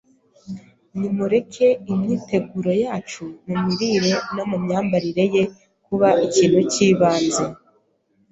Nimureke imyiteguro yacu mu mirire no mu myambarire ye kuba ikintu cy’ibanze